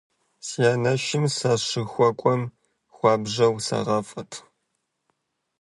Си анэшым сащыхуэкӀуэм хуабжьэу сагъафӏэрт.